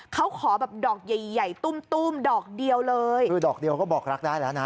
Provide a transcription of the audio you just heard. เขาขอแบบดอกใหญ่ใหญ่ตุ้มตุ้มดอกเดียวเลยคือดอกเดียวก็บอกรักได้แล้วนะ